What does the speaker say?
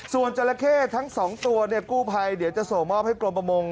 ส่วนจราเข้ทั้ง๒ตัวกู้ภัยเดี๋ยวจะโสมอบให้กรมประมง